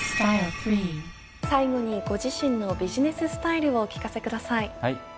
最後にご自身のビジネススタイルをお聞かせください。